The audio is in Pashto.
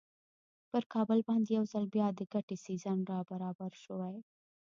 پر کابل باندې یو ځل بیا د ګټې سیزن را برابر شوی.